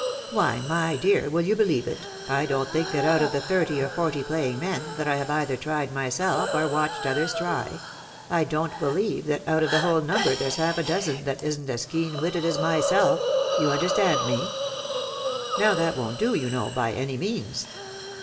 Why, my dear, will you believe it, I don't think that out of the thirty or forty playing men, that I have either tried myself, or watched others try, I don't believe that out of the whole number there's half a dozen that isn't as keen witted 82 THE BARNABYS IN AMERICA. as myself — ^you understand me ? Now that won't do, you know, Ly any means.